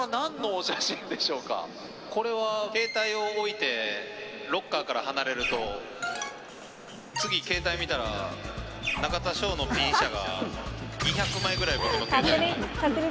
これは、携帯を置いてロッカーから離れると、次、携帯見たら、中田翔のぴん写が２００枚ぐらい僕の携帯に。